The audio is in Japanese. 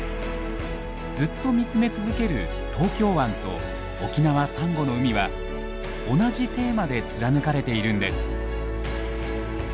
ずっと見つめ続ける東京湾と沖縄・サンゴの海は同じテーマで貫かれているんです。